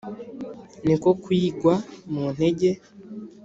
ni ko kuyigwa mu ntege